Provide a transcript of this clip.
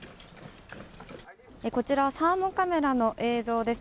こちらはサーモカメラの映像です。